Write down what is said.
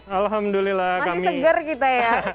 alhamdulillah masih seger kita ya